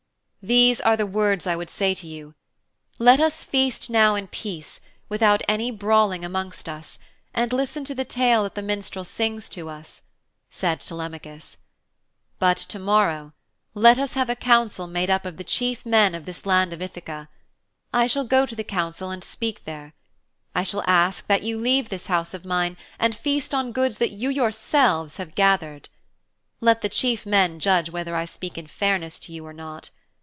'These are the words I would say to you. Let us feast now in peace, without any brawling amongst us, and listen to the tale that the minstrel sings to us,' said Telemachus. 'But to morrow let us have a council made up of the chief men of this land of Ithaka. I shall go to the council and speak there. I shall ask that you leave this house of mine and feast on goods that you yourselves have gathered. Let the chief men judge whether I speak in fairness to you or not.